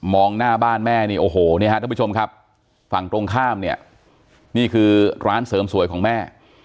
หน้าบ้านแม่นี่โอ้โหนี่ฮะท่านผู้ชมครับฝั่งตรงข้ามเนี่ยนี่คือร้านเสริมสวยของแม่